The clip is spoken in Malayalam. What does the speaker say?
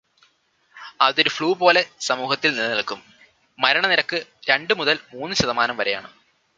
അതൊരു ഫ്ലു പോലെ സമൂഹത്തിൽ നിലനില്ക്കും, മരണനിരക്ക് രണു മുതൽ മൂന്ന് ശതമാനം വരെയാണ്.